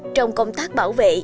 trong công tác bảo vệ